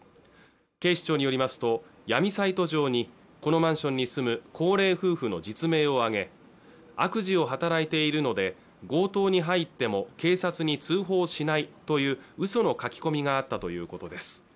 警視庁によりますと闇サイト上にこのマンションに住む高齢夫婦の実名を挙げ悪事を働いているので強盗に入っても警察に通報しないといううその書き込みがあったということです